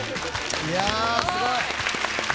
いやあすごい。